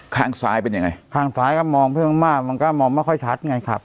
ข้างซ้ายเป็นยังไงข้างซ้ายก็มองเพิ่มมากมันก็มองไม่ค่อยชัดไงครับ